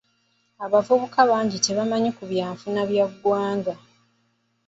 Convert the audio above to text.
Abavubuka bangi tebamanyi ku byanfuna bya ggwanga.